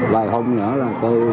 vài hôm nữa là tôi